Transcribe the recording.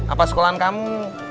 apa sekolahan kamu